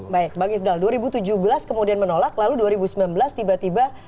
baik bang ifdal dua ribu tujuh belas kemudian menolak lalu dua ribu sembilan belas tiba tiba